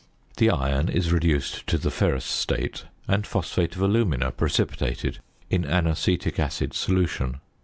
The iron is reduced to the ferrous state and phosphate of alumina precipitated in an acetic acid solution.